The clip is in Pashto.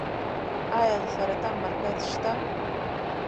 آیا د سرطان مرکز شته؟